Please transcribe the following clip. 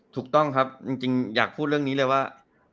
ถูกต้องครับจริงอยากพูดเรื่องนี้เลยว่า